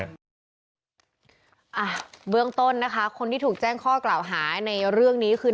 เบื้องต้นนะคะคนที่ถูกแจ้งข้อกล่าวหาในเรื่องนี้คือ